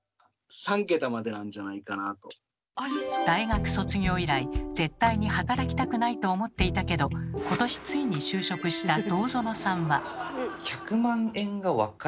大学卒業以来「絶対に働きたくない」と思っていたけど今年ついに就職した堂園さんは。